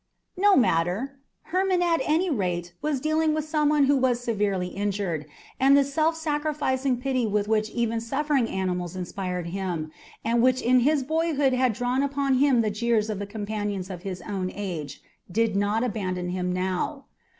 No matter! Hermon at any rate was dealing with some one who was severely injured, and the self sacrificing pity with which even suffering animals inspired him, and which in his boyhood had drawn upon him the jeers of the companions of his own age, did not abandon him now.